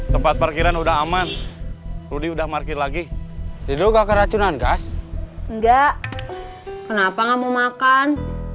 tempat parkiran udah aman rudy udah parkir lagi diduga keracunan gas enggak kenapa nggak mau makan